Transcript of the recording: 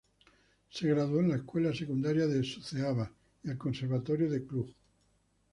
Se graduó en la escuela secundaria de Suceava, y el Conservatorio de Cluj.